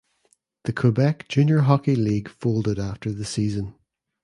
The Quebec Junior Hockey League folded after the season.